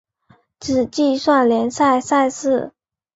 只计算联赛赛事。